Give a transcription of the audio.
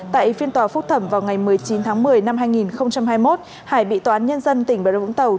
tại phiên tòa phúc thẩm vào ngày một mươi chín tháng một mươi năm hai nghìn hai mươi một hải bị tòa án nhân dân tỉnh bèo điều vũng tàu